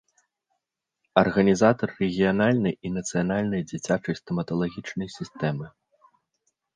Арганізатар рэгіянальнай і нацыянальнай дзіцячай стаматалагічнай сістэмы.